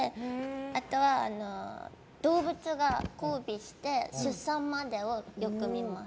あとは動物が交尾して出産までをよく見ます。